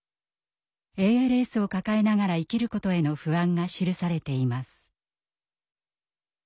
ＡＬＳを抱えながら生きることへの不安が記されています。